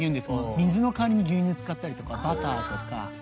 水の代わりに牛乳使ったりとかバターとか。